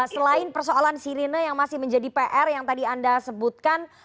selain persoalan sirine yang masih menjadi pr yang tadi anda sebutkan